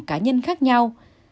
cá nhân khác nhau